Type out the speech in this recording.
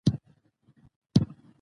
غير عادي تشبیه پر دوه ډوله ده.